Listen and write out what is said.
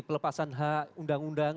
pelepasan hak undang undang